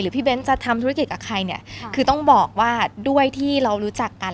พี่เบ้นจะทำธุรกิจกับใครเนี่ยคือต้องบอกว่าด้วยที่เรารู้จักกัน